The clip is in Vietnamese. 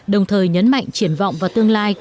đồng thời nhấn mạnh triển vọng và tương lai